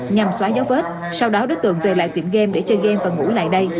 nhằm xóa giấu vết sau đó đối tượng về lại tiệm game để chơi game và ngủ lại đây